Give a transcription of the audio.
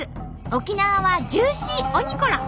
沖縄はジューシーおにコロ。